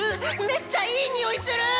めっちゃいい匂いする！